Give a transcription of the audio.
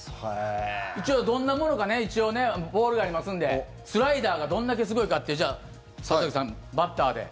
一応、どんなものかねボールがありますんでスライダーがどんだけすごいかってうわあ、すごい。